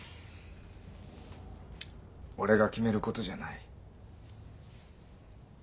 俺が決めることじゃない。